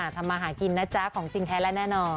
ทำมาหากินนะจ๊ะของจริงแท้และแน่นอน